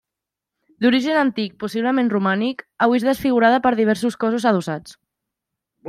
D'origen antic, possiblement romànic, avui és desfigurada per diversos cossos adossats.